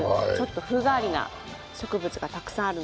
風変わりな植物がたくさんあります。